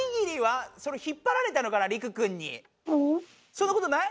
そんなことない？